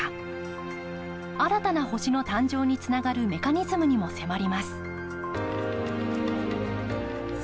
新たな星の誕生につながるメカニズムにも迫ります。